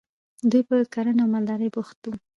دوی په کرنه او مالدارۍ بوخت وو.